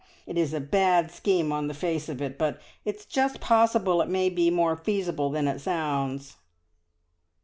It's a bad scheme on the face of it, but it's just possible it may be more feasible than it sounds."